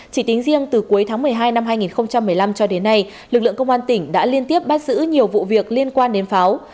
chỉ tính riêng từ cuối tháng một mươi hai năm hai nghìn một mươi năm cho đến nay lực lượng công an tỉnh đã liên tiếp bắt giữ nhiều vụ việc liên quan đến pháo